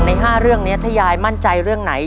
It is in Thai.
๕เรื่องนี้ถ้ายายมั่นใจเรื่องไหน